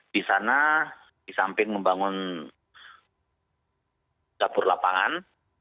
di sana di samping membangun dapur lapangan